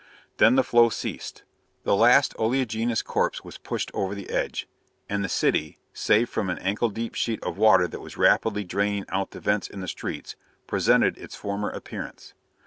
Then the flow ceased. The last oleaginous corpse was pushed over the edge. And the city, save for an ankle deep sheet of water that was rapidly draining out the vents in the streets, presented its former appearance.